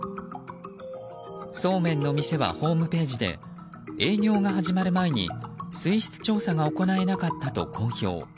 そうめんの店は、ホームページで営業が始まる前に水質調査が行えなかったと公表。